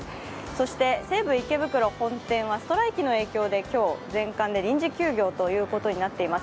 そして、西武池袋本店はストライキの影響で今日、全館臨時休業ということになっています。